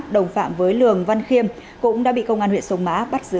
đồng phạm với lường văn khiêm cũng đã bị công an huyện sông mã bắt giữ